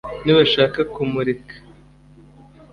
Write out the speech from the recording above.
Nibashaka kumurika,